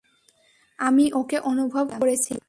আমি ওকে অনুভব করেছিলাম।